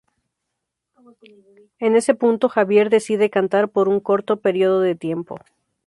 En ese punto Javier decide cantar por un corto período de tiempo.